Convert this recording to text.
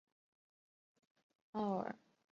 奥尔比厄河畔吕克。